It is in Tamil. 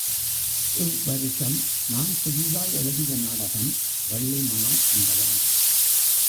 இவ் வருஷம் நான் புதிதாய் எழுதிய நாடகம் வள்ளி மணம் என்பதாம்.